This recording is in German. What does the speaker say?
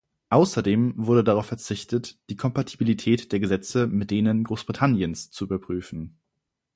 Außerdem wurde darauf verzichtet, die Kompatibilität der Gesetze mit denen Großbritanniens zu überprüfen.